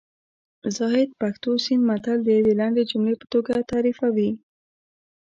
زاهد پښتو سیند متل د یوې لنډې جملې په توګه تعریفوي